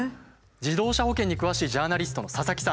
自動車保険に詳しいジャーナリストの佐々木さん。